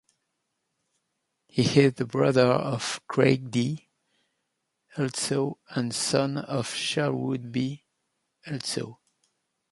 He is the brother of Craig D. Idso and son of Sherwood B. Idso.